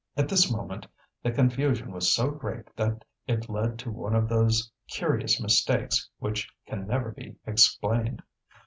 At this moment the confusion was so great that it led to one of those curious mistakes which can never be explained.